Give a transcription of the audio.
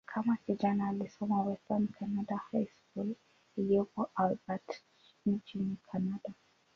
Kama kijana, alisoma "Western Canada High School" iliyopo Albert, nchini Kanada.